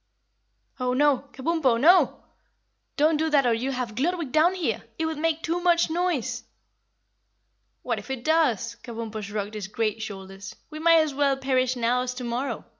"Oh no! Kabumpo, NO! Don't do that or you'll have Gludwig down here! It would make too much noise." "What if it does?" Kabumpo shrugged his great shoulders. "We may as well perish now as tomorrow.